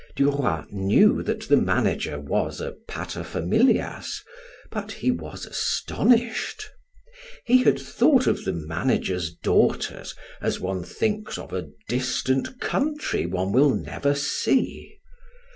Duroy knew that the manager was a paterfamilias, but he was astonished. He had thought of the manager's daughters as one thinks of a distant country one will never see.